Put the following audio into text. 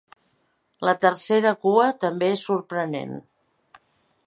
La tercera cua també és sorprenent.